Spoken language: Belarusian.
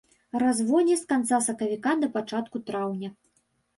Разводдзе з канца сакавіка да пачатку траўня.